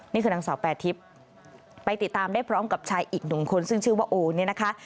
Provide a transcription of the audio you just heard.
นี่คือนางสาวแปรทิพย์ไปติดตามได้พร้อมกับชายอีกหนึ่งคนซึ่งชื่อว่าโอเนี่ยนะคะ